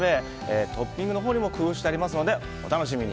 トッピングのほうにも工夫してありますのでお楽しみに。